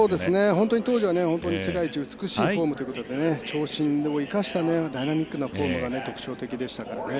本当に当時は世界一美しいフォームということで長身を生かしたダイナミックなフォームが特徴的でしたからね。